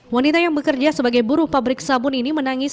wanita yang bekerja sebagai buruh pabrik sabun ini menangis